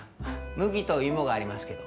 麦と芋がありますけど。